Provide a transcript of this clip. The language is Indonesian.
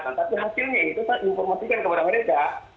tetapi hasilnya itu saya informasikan kepada mereka